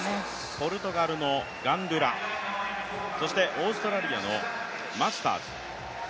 ポルトガルのガンドゥラ、そしてオーストラリアのマスターズ。